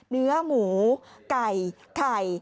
เนื้อหมูไก่ไข่